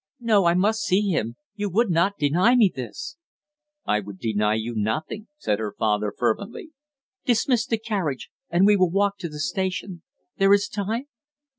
No, I must see him! You would not deny me this " "I would deny you nothing," said her father fervently. "Dismiss the carriage, and we will walk to the station; there is time?"